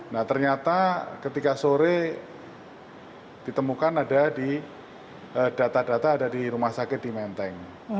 nah ternyata ketika sore ditemukan ada di data data ada di rumah sakit di menteng